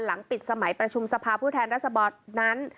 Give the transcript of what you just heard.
หลังปิดสมัยประชุมสภาผู้แทนรัศดรนั้น